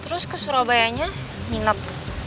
terus ke surabayanya minat